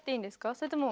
それとも。